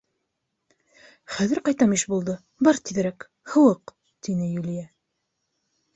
— Хәҙер ҡайтам, Ишбулды, бар тиҙерәк, һыуыҡ! — тине Юлия.